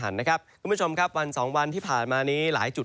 หันนะครับคุณผู้ชมครับวันสองวันที่ผ่านมานี้หลายจุด